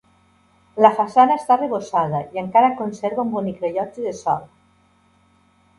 La façana està arrebossada i encara conserva un bonic rellotge de sol.